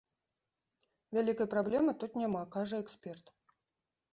Вялікай праблемы тут няма, кажа эксперт.